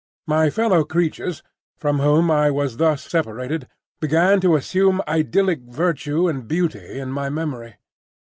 My fellow creatures, from whom I was thus separated, began to assume idyllic virtue and beauty in my memory.